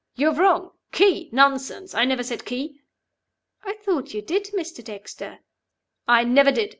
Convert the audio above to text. "You're wrong. 'Key?' Nonsense! I never said 'Key.'" "I thought you did, Mr. Dexter." "I never did!